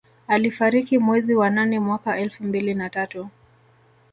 Alifariki mwezi wa nane mwaka elfu mbili na tatu